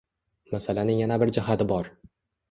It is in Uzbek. Masalaning yana bir jihati bor.